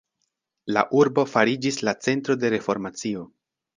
La urbo fariĝis la centro de Reformacio.